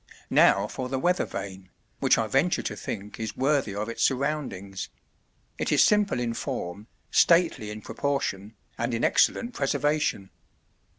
Now for the weather vane, which I venture to think is worthy of its surroundings: it is simple in form, stately in proportion, and in excellent preservation.